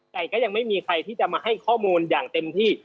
แต่ก็ยังไม่มีใครที่จะมาให้ข้อมูลอย่างเต็มที่